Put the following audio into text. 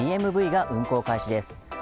ＤＭＶが運行開始です。